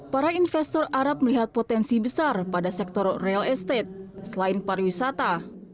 para investor arab melihat potensi besar pada sektor real estate selain pariwisata